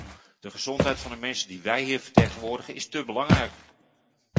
De gezondheid van de mensen die wij hier vertegenwoordigen is te belangrijk.